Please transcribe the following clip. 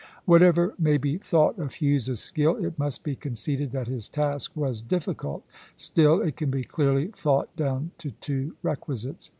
Whatever may be thought of Hughes's skill, it must be conceded that his task was difficult. Still, it can be clearly thought down to two requisites.